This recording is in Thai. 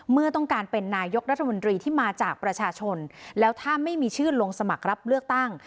เมื่อต้องการเป็นนายกรัฐมนตรีที่มาจากประชาชนแล้วถ้าไม่มีชื่อลงสมัครรับเลือกตั้ง